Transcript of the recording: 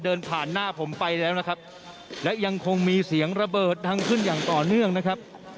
เดินผ่านหน้าผมไปแล้วนะครับและยังคงมีเสียงระเบิดดังขึ้นอย่างต่อเนื่องนะครับ